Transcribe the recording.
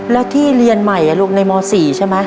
แล้วที่เรียนใหม่ลูกในม๔ใช่ไหม